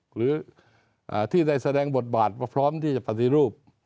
หรือที่ได้แสดงบทบาทว่าพร้อมที่จะปฏิรูป